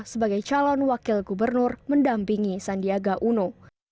sebagai calon wakil gubernur mendampingi sandiaga uno